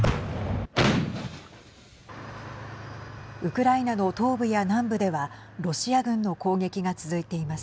ウクライナの東部や南部ではロシア軍の攻撃が続いています。